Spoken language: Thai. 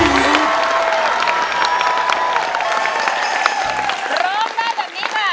รับแล้วค่ะ